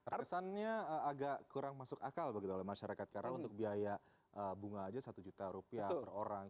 terkesannya agak kurang masuk akal begitu oleh masyarakat karena untuk biaya bunga aja satu juta rupiah per orang